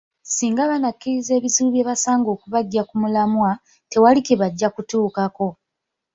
Singa bannakkiriza ebizibu bye basanga okubaggya ku mulamwa, tewali kye bajja kutuukako.